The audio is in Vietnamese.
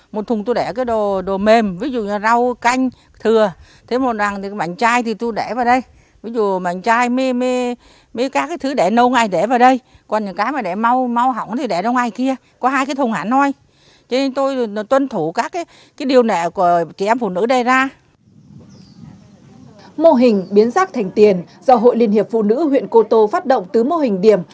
mô hình biến rác thành tiền do hội liên hiệp phụ nữ huyện cô tô phát động tứ mô hình điểm